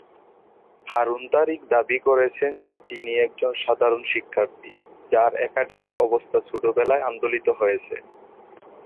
হারুন তারিক দাবি করেছেন যে তিনি একজন সাধারণ শিক্ষার্থী, যার একাডেমিক অবস্থা ছোটবেলায় আন্দোলিত হয়েছে।